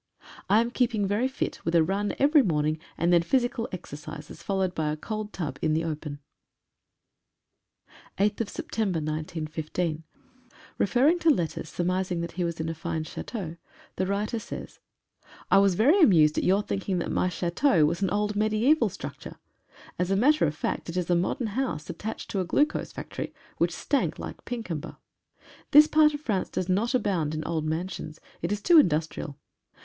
I am keeping very fit with a run every morning, and then physical exercises, followed by a cold tub in the open. B <3> 8/9/15. (Referring to letters surmising that he was in a fine chateau, the writer says :— 3 WAS very amused at your thinking that my cha teau was an old mediaeval structure, as a matter of fact it was a modern house attached to a glucose factory, which stank like Pinkenba. This part of France does not abound in old mansions. It is too industrial.